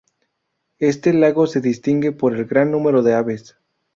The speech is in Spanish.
Este lago se distingue por el gran número de aves.